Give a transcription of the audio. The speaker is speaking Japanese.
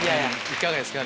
いかがですか？